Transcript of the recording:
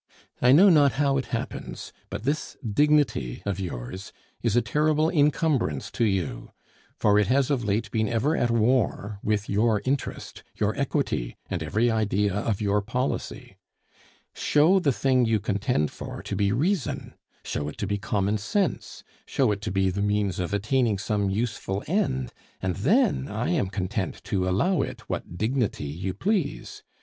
I know not how it happens, but this dignity of yours is a terrible incumbrance to you; for it has of late been ever at war with your interest, your equity, and every idea of your policy. Show the thing you contend for to be reason; show it to be common sense; show it to be the means of attaining some useful end: and then I am content to allow it what dignity you please.